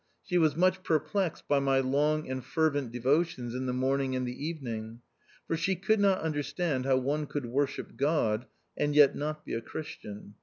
She was much perplexed by my long and fervent de votions in the morning and the evening; for she could not understand how one could worship God, and yet not be a Christian.